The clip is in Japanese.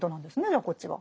じゃあこっちは。